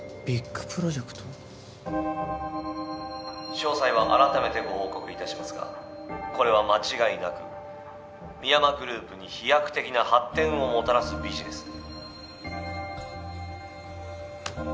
詳細はあらためてご報告いたしますがこれは間違いなく深山グループに飛躍的な発展をもたらすビジネスで。